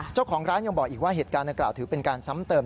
เจ้าของร้านยังบอกอีกว่าเหตุการณ์ดังกล่าวถือเป็นการซ้ำเติม